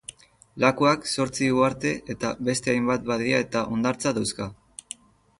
Lakuak zortzi uharte, eta beste hainbat badia eta hondartza dauzka.